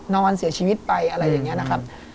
นอนเสียชีวิตไปอะไรอย่างนี้นะครับ